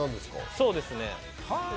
そうですね。